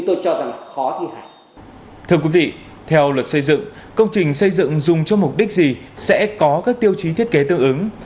thưa quý vị theo luật xây dựng công trình xây dựng dùng cho mục đích gì sẽ có các tiêu chí thiết kế tương ứng